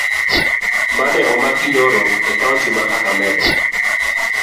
Mane omaki nyoro e kaunti ma kakamega